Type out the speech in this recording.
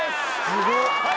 すごっ。